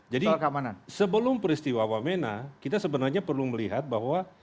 jadi sebelum peristiwa wamena kita sebenarnya perlu melihat bahwa